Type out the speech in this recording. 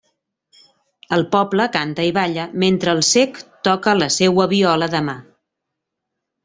El poble canta i balla mentre el cec toca la seua viola de mà.